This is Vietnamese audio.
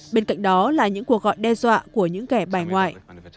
bên cạnh đó là những cuộc gọi đe dọa của những kẻ bài ngoại